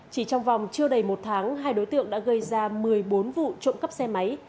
chỉ trong vòng chưa đầy một tháng hai đối tượng đã gây ra một mươi bốn vụ trộm cắp xe máy